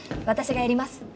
私がやります